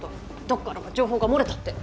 どっからか情報が漏れたって。